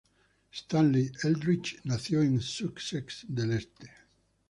Stanley Eldridge nació en Sussex del Este.